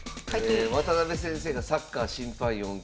渡辺先生がサッカー審判４級。